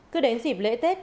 cứ đến dịp lễ tết